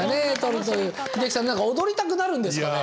英樹さん何か踊りたくなるんですかね。